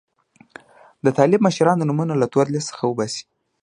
د طالب مشرانو نومونه له تور لیست څخه وباسي.